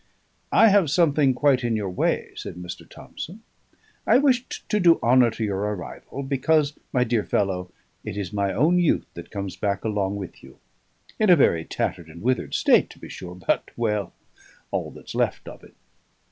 "I have something quite in your way," said Mr. Thomson. "I wished to do honour to your arrival; because, my dear fellow, it is my own youth that comes back along with you; in a very tattered and withered state, to be sure, but well! all that's left of it."